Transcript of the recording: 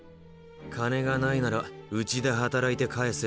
金がないなら「うちで働いて返せ」ってこと。